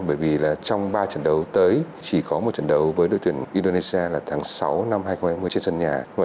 bởi vì là trong ba trận đấu tới chỉ có một trận đấu với đội tuyển indonesia là tháng sáu năm hai nghìn hai mươi trên sân nhà